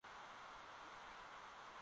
Mungu mwaminifu, habadiliki kamwe.